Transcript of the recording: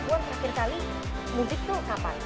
selama mbak puan akhir kali mudik tuh kapan